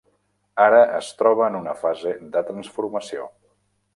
Ara es troba en una fase de transformació.